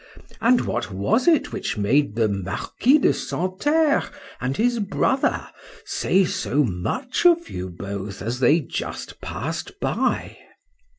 and what was it which made the Marquis de Santerre and his brother say so much of you both as they just passed by?